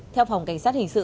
theo phòng cảnh sát hình sự